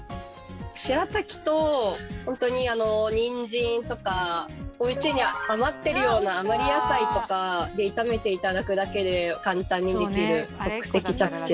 白滝とニンジンとかおうちに余ってるような余り野菜とかで炒めていただくだけで簡単にできる即席チャプチェ。